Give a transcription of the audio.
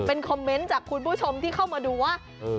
เป็นคอมเมนต์จากคุณผู้ชมที่เข้ามาดูว่า